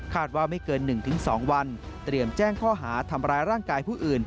ว่าไม่เกิน๑๒วันเตรียมแจ้งข้อหาทำร้ายร่างกายผู้อื่น